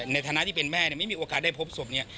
ในฐานะที่เป็นแม่เนี่ยไม่มีโอกาสได้พบศพเนี่ย